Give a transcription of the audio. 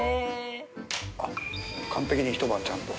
あっ完璧にひと晩ちゃんと。